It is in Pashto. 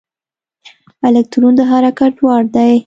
الکترون د حرکت وړ دی.